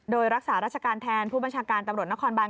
โดยรักษาราชการแทนผู้บัญชาการตำรวจนครบาน